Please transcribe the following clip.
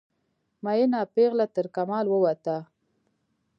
میینه پیغله ترکمال ووته